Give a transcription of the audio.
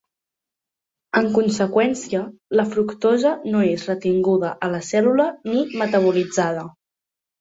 En conseqüència, la fructosa no és retinguda a la cèl·lula ni metabolitzada.